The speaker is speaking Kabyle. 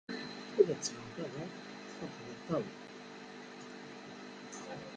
Ur la d-tettbaneḍ ara tfeṛḥeḍ aṭaw.